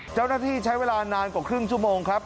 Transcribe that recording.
เจ้าหน้าที่ใช้เวลานานกว่าครึ่งชั่วโมงครับ